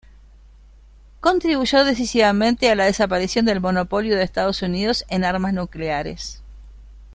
Contribuyó decisivamente a la desaparición del monopolio de Estados Unidos en armas nucleares.